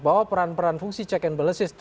bahwa peran peran fungsi check and balances